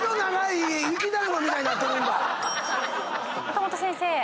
岡本先生。